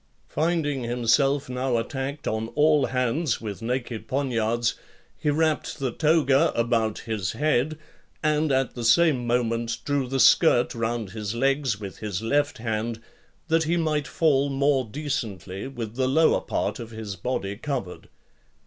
Finding himself now attacked on all hands with naked poniards, he wrapped the toga about his head, and at the same moment drew the skirt round his legs with his left hand, that he might fall more decently with the lower part of his body covered.